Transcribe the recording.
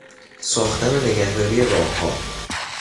ساختن و نگهداری راهها